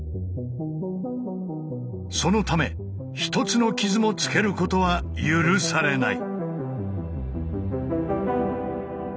そのため一つの傷もつけることは許されない。